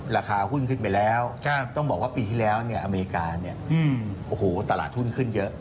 ราคาหุ้นขึ้นไปแล้วต้องบอกว่าปีที่แล้วอเมริกาเนี่ยโอ้โหตลาดหุ้นขึ้นเยอะ